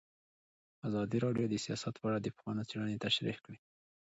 ازادي راډیو د سیاست په اړه د پوهانو څېړنې تشریح کړې.